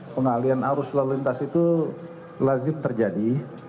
pengalian arus lalu lintas itu lazim terjadi